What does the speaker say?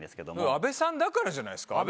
阿部さんだからじゃないっすか？